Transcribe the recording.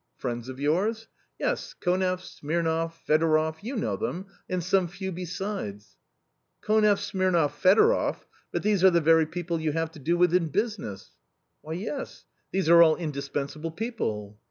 " Friends of yours ?"« Y es — KonerT, Smirnoff, Fedoroff— you know them, and some few besides." "Koneff, Smirnoff, Fedoroff! But these are the very people you have to do with in business." " Why, yes ; these are all indispensable people."